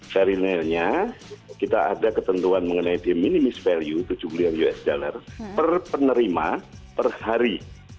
perinilnya kita ada ketentuan mengenai the minimis value tujuh miliar usd per penerima per hari